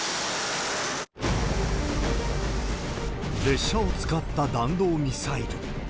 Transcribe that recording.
列車を使った弾道ミサイル。